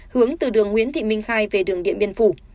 hướng từ đường nguyễn thị minh khai về đường điện biên phủ